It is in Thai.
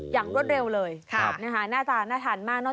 อย่างรถเร็วเลยหน้าทานมาก